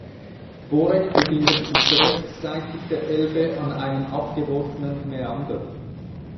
Borek befindet sich rechtsseitig der Elbe an einem abgeworfenen Mäander.